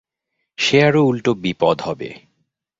সে আরো উলটো বিপদ হবে।